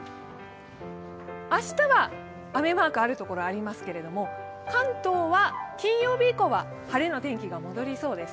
明日は雨マークある所ありますけれども関東は金曜日以降は晴れの天気が戻りそうです。